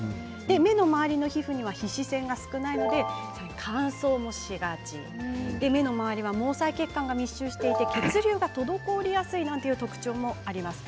目の周りの皮膚には皮脂腺が少ないので乾燥をしがち目の周りは毛細血管が密集していて血流が滞りやすいという特徴もあります。